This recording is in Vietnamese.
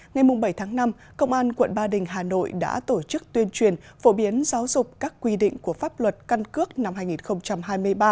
ngày bảy tháng năm công an quận ba đình hà nội đã tổ chức tuyên truyền phổ biến giáo dục các quy định của pháp luật căn cước năm hai nghìn hai mươi ba